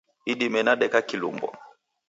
Idime nadeka kilumbwa.